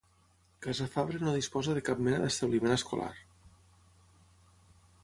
Casafabre no disposa de cap mena d'establiment escolar.